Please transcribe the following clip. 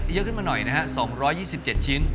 เยอะขึ้นมาหน่อยนะฮะ๒๒๗ชิ้น